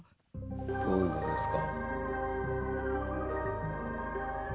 どういうことですか？